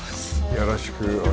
よろしくお願いします。